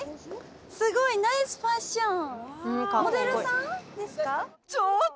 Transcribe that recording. すごいナイスファッション。